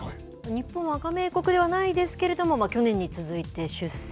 日本は加盟国ではないですけれども去年に続いて出席。